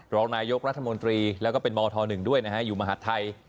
รองนายกรัฐมนตรีแล้วก็เป็นมธ๑ด้วยนะฮะอยู่มหาดไทย